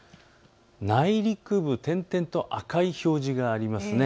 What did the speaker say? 内陸部、点々と赤い表示があります。